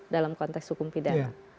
dalam konteks hukum pidana